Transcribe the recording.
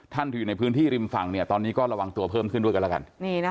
ที่อยู่ในพื้นที่ริมฝั่งตอนนี้ก็ระวังตัวเพิ่มขึ้นด้วยกันแล้วกัน